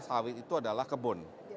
sawit itu adalah kebun